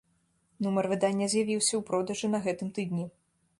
Нумар выдання з'явіўся ў продажы на гэтым тыдні.